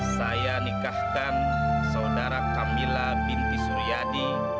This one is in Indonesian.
saya nikahkan saudara camilla binti suryadi